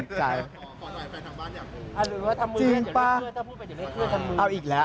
หรือว่าทำมือถ้าพูดไปเดี๋ยวเลขเคลื่อนทำมือจริงป่ะเอาอีกแล้ว